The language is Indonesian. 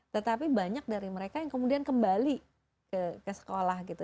tetapi banyak dari mereka yang kemudian kembali ke sekolah gitu